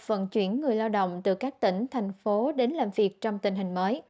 vận chuyển người lao động từ các tỉnh thành phố đến làm việc trong tình hình mới